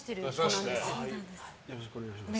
よろしくお願いします。